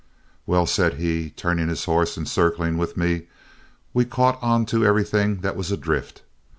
"Well," said he, turning his horse and circling with me, "we caught onto everything that was adrift.